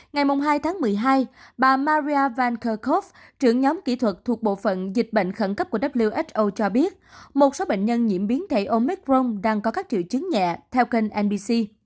ngày hai tháng một mươi hai bà maria vankerkov trưởng nhóm kỹ thuật thuộc bộ phận dịch bệnh khẩn cấp của who cho biết một số bệnh nhân nhiễm biến thể omicron đang có các triệu chứng nhẹ theo kênh nbc